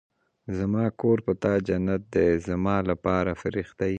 زما کور په تا جنت دی زما لپاره فرښته يې